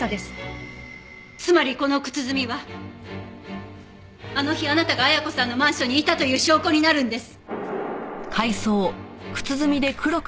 つまりこの靴墨はあの日あなたが綾子さんのマンションにいたという証拠になるんです。